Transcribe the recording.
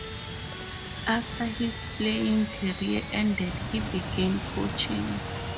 After his playing career ended, he began coaching.